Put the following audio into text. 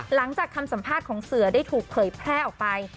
หลังจากคำสัมภาษณ์ของเสือได้ถูกเผยแพร่ออกไป